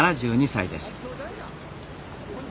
７２歳です。